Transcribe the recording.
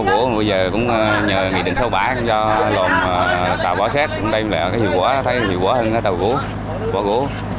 bố bây giờ cũng nhờ nghị định sâu bãi cho tàu bỏ xét thấy nhiều quá hơn tàu bỏ gỗ